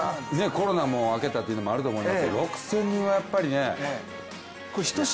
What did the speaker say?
コロナも明けたというのもあると思いますけれども、６０００人はやっぱりね。